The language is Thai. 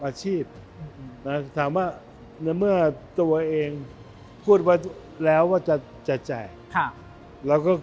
อาชีพถามว่าในเมื่อตัวเองพูดว่าแล้วว่าจะจะจ่ายค่ะแล้วก็